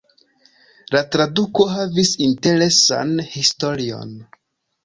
La traduko havis interesan historion.